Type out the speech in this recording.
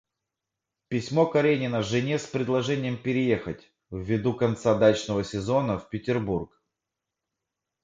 Письмо Каренина жене с предложением переехать, в виду конца дачного сезона, в Петербург.